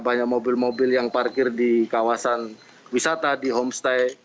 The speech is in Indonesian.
banyak mobil mobil yang parkir di kawasan wisata di homestay